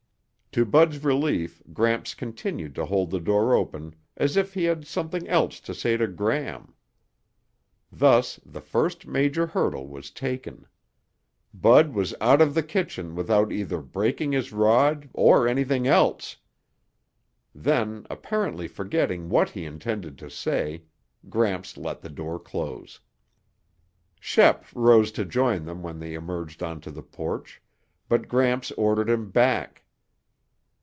To Bud's relief Gramps continued to hold the door open as if he had something else to say to Gram. Thus the first major hurdle was taken; Bud was out of the kitchen without either breaking his rod or anything else. Then, apparently forgetting what he intended to say, Gramps let the door close. Shep rose to join them when they emerged onto the porch, but Gramps ordered him back.